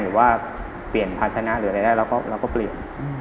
หรือว่าเปลี่ยนภาชนะหรืออะไรได้เราก็เปลี่ยน